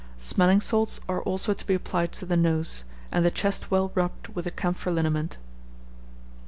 Smelling salts are also to be applied to the nose, and the chest well rubbed with a camphor liniment.